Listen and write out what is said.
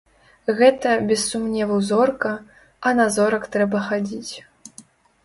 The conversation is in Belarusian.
Гэта, без сумневу, зорка, а на зорак трэба хадзіць.